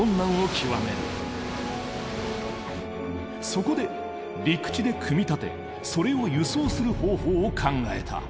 そこで陸地で組み立てそれを輸送する方法を考えた。